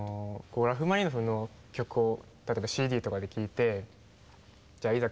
ラフマニノフの曲を例えばＣＤとかで聴いてじゃあいざ